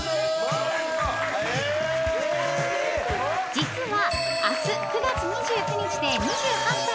［実は］